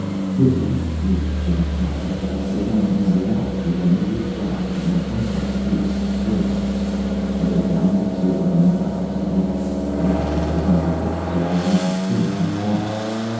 "Listen, you green junk pile, at 1900 hours you're going to do a job, and there aren't going to be any slip ups. You go down that sewer and into the Hudson River. The outlet is under water, so you won't be seen from the docks.